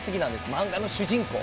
漫画の主人公。